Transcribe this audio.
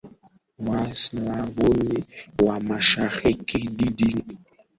Waslavoni wa Mashariki dhidi ya Wamongolia na kupanua utawala waoBaada ya anguko la